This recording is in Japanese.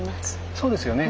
そうですよね。